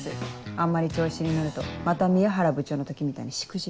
あんまり調子に乗るとまた宮原部長の時みたいにしくじるよ。